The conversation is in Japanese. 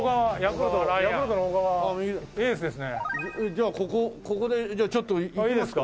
じゃあここここでじゃあちょっといきますか？